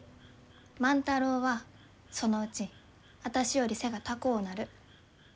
万太郎はそのうちあたしより背が高うなる。